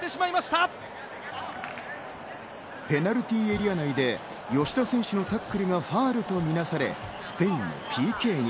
ペナルティーエリア内で吉田選手のタックルがファウルとみなされスペインのＰＫに。